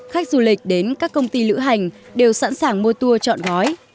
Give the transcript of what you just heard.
khách du lịch đến các công ty lữ hành đều sẵn sàng mua tour chọn gói